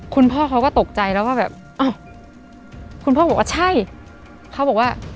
คุณพ่อเขาก็ตกใจแล้วก็แบบอ้าวคุณพ่อบอกว่าใช่เขาบอกว่า